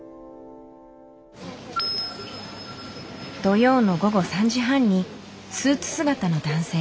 土曜の午後３時半にスーツ姿の男性。